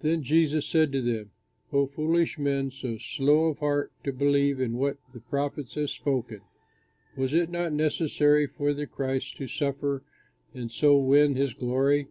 Then Jesus said to them, "O foolish men, so slow of heart to believe in what the prophets have spoken! Was it not necessary for the Christ to suffer and so win his glory?"